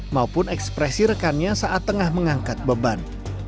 maupun ekspresi rekannya saat tengah mengangkat beban